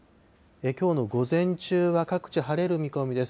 きょうの午前中は各地、晴れる見込みです。